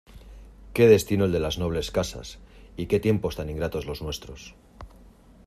¡ qué destino el de las nobles casas, y qué tiempos tan ingratos los nuestros!